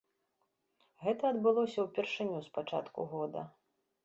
Гэта адбылося ўпершыню з пачатку года.